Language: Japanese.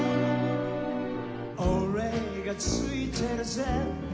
「俺がついてるぜ」